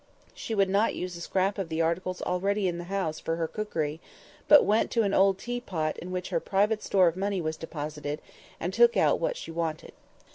She would not use a scrap of the articles already in the house for her cookery, but went to an old tea pot in which her private store of money was deposited, and took out what she wanted.